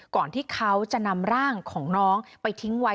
ก่อนที่เขาจะนำร่างของน้องไปทิ้งไว้